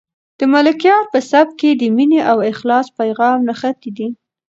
د ملکیار په سبک کې د مینې او اخلاص پیغام نغښتی دی.